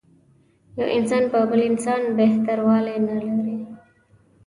یو انسان په بل انسان بهتر والی نه لري.